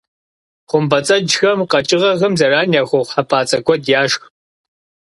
Хъумпӏэцӏэджхэм къэкӏыгъэхэм зэран яхуэхъу хьэпӏацӏэ куэд яшх.